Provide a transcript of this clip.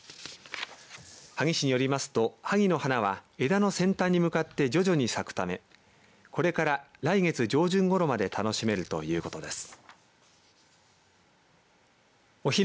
萩市によりますとはぎの花は枝の先端に向かって徐々に咲くためこれから来月上旬ごろまで楽しめるということです。